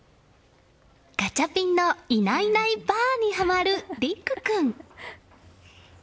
ガチャピンのいないいないばあ！にはまる凌空君。